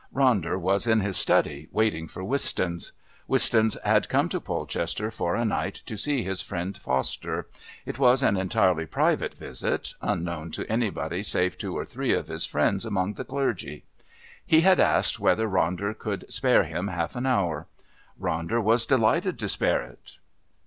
Ronder was in his study, waiting for Wistons. Wistons had come to Polchester for a night to see his friend Foster. It was an entirely private visit, unknown to anybody save two or three of his friends among the clergy. He had asked whether Ronder could spare him half an hour. Ronder was delighted to spare it....